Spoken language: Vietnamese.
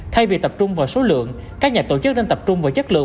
thay vì tập trung vào số lượng các nhà tổ chức nên tập trung vào chất lượng